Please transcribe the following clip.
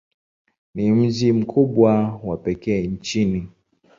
Ni mji mkubwa wa pekee nchini.